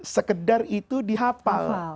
sekedar itu di hafal